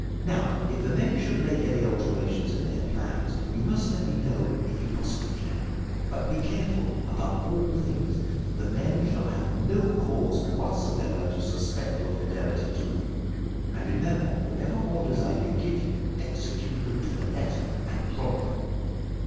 Now, if the men should make any alterations in their plans, you must let me know, if you possibly can; but be careful, above all things, that the men shall have no cause whatever to suspect your fidelity to them. And, remember, whatever orders I may give you, execute them to the letter, and promptly.